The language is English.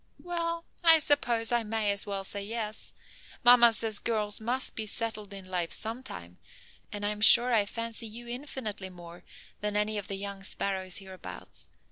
"Well, I suppose I may as well say yes. Mamma says girls must be settled in life some time, and I am sure I fancy you infinitely more than any of the young sparrows hereabouts.